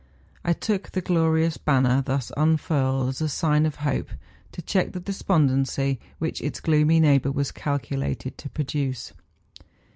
I took the glorious banner thus unfurled as a sign of hope, to check the despondency which its gloomy neighbour was calculated to produce.